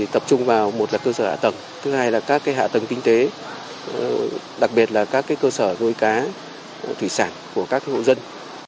tập trung vào một là cơ sở hạ tầng thứ hai là các hạ tầng kinh tế đặc biệt là các cơ sở nuôi cá thủy sản của các hộ dân